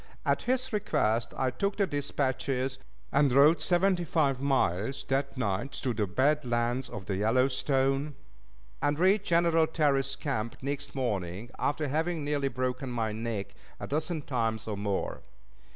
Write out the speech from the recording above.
At his request I took the dispatches, and rode seventy five miles that night through the bad lands of the Yellowstone, and reached General Terry's camp next morning, after having nearly broken my neck a dozen times or more.